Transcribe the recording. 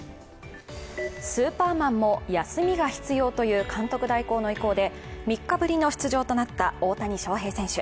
スーパーマンも休みが必要という監督代行の意向で３日ぶりの出場となった大谷翔平選手。